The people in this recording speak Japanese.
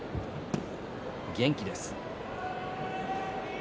元気です。